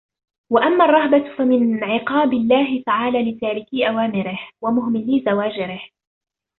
وَأَمَّا الرَّهْبَةُ فَمِنْ عِقَابِ اللَّهِ تَعَالَى لِتَارِكِي أَوَامِرِهِ ، وَمُهْمَلِي زَوَاجِرِهِ